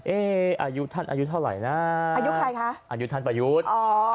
อายุท่านอายุเท่าไหร่นะอายุใครคะอายุท่านประยุทธ์